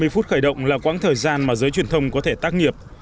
ba mươi phút khởi động là quãng thời gian mà giới truyền thông có thể tác nghiệp